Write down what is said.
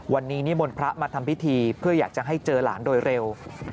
วันนี้นิมนต์พระมาทำพิธีเพื่ออยากจะให้เจอหลานโดยเร็ว